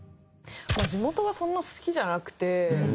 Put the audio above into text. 地元がそんな好きじゃなくて。